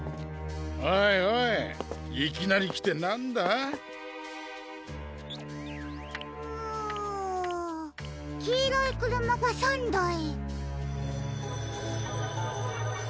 おいおいいきなりきてなんだ？んきいろいくるまが３だい。